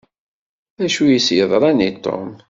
D acu i s-yeḍṛan i Tom?